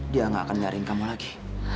dia gak akan nyari kamu lagi